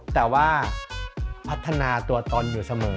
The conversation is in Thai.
แต่ว่าพัฒนาตัวตนอยู่เสมอ